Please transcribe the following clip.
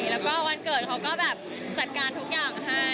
แล้วก็วันเกิดเขาก็แบบจัดการทุกอย่างให้